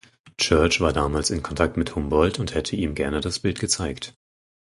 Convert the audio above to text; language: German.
Church war damals in Kontakt mit Humboldt und hätte ihm gerne das Bild gezeigt.